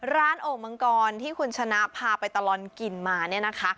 โอ่งมังกรที่คุณชนะพาไปตลอดกินมาเนี่ยนะคะ